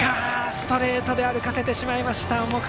ストレートで歩かせてしまいました、重川。